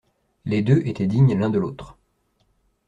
Les deux étaient dignes l'un de l'autre.